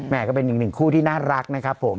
ก็เป็นอีกหนึ่งคู่ที่น่ารักนะครับผม